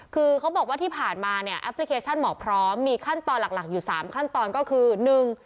คือเขาบอกว่าที่ผ่านมาเนี่ยแอปพลิเคชันหมอพร้อมมีขั้นตอนหลักหลักอยู่สามขั้นตอนก็คือหนึ่ง